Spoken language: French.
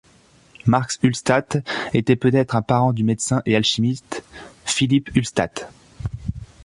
Marx Ulstat était peut-être un parent du médecin et alchimiste Philipp Ulstat.